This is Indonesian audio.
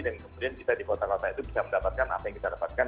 dan kemudian kita di kota kota itu bisa mendapatkan apa yang kita dapatkan